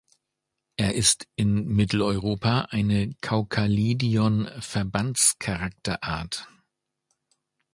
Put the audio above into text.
Er ist in Mitteleuropa eine Caucalidion-Verbandscharakterart.